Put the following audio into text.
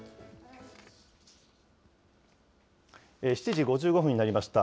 ７時５５分になりました。